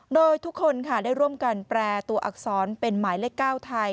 โดยทุกคนค่ะได้ร่วมกันแปรตัวอักษรเป็นหมายเลข๙ไทย